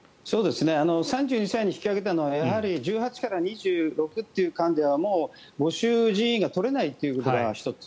３２歳に引き上げたのは１６から２６という間ではもう、募集人員が採れないということが１つ。